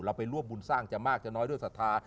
ไปรวบบุญสร้างจะมากจะน้อยด้วยศรัทธา